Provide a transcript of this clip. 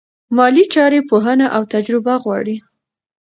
مالي چارې پوهنه او تجربه غواړي.